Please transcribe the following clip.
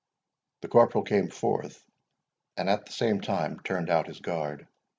The corporal came forth, and at the same time turned out his guard.